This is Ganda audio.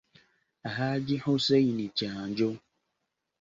Hajji Hussein Kyanjo.